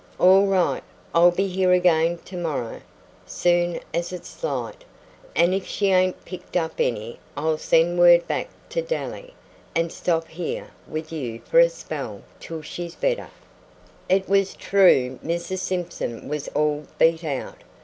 "All right. I'll be here again tomorrow, soon as it's light, and if she ain't picked up any I'll send word back to Daly, and stop here with you for a spell till she's better." It was true; Mrs. Simpson was "all beat out."